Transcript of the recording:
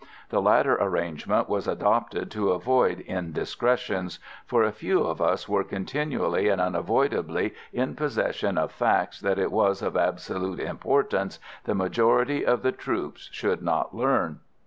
The latter arrangement was adopted to avoid indiscretions, for a few of us were continually and unavoidably in possession of facts it was of absolute importance the majority of the troops should not learn.